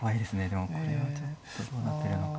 でもこれはちょっとどうなってるのか。